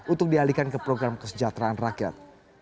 untuk dialihkan ke program kesejahteraan rakyat